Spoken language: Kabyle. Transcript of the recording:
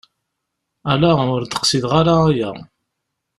Ala ur d-qsideɣ ara aya!